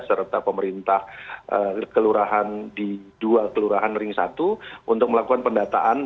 serta pemerintah kelurahan di dua kelurahan ring satu untuk melakukan pendataan